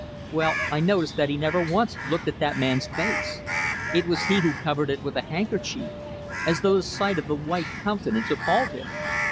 "Well, I noticed that he never once looked at that man's face. It was he who covered it with a handkerchief, as though the sight of the white countenance appalled him."